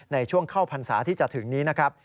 ในช่วงเข้าพรรษาที่จะถึงนี้นะครับ